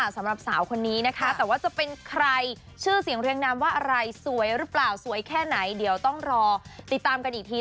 สำหรับสาวคนนี้นะคะแต่ว่าจะเป็นใครชื่อเสียงเรียงนามว่าอะไรสวยหรือเปล่าสวยแค่ไหนเดี๋ยวต้องรอติดตามกันอีกที